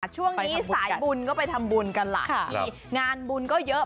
ช่วงนี้สายบุญก็ไปทำบุญกันหลายที่งานบุญก็เยอะ